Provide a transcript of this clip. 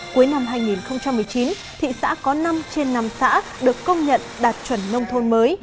cuối năm hai nghìn một mươi chín thị xã có năm trên năm xã được công nhận đạt chuẩn nông thôn mới